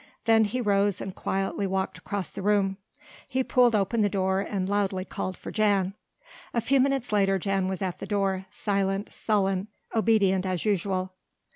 Then he rose and quietly walked across the room. He pulled open the door and loudly called for Jan. A few minutes later Jan was at the door, silent, sullen, obedient as usual.